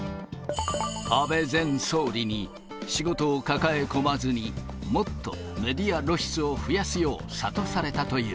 安倍前総理に、仕事を抱え込まずに、もっとメディア露出を増やすよう諭されたという。